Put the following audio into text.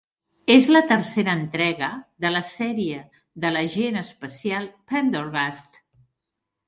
És la tercera entrega de la sèrie de l'agent especial Pendergast.